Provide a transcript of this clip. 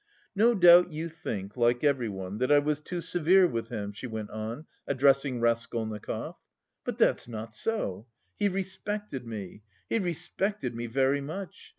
"No doubt you think, like everyone, that I was too severe with him," she went on, addressing Raskolnikov. "But that's not so! He respected me, he respected me very much!